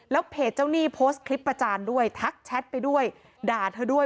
เพจเจ้าหนี้โพสต์คลิปประจานด้วยทักแชทไปด้วยด่าเธอด้วย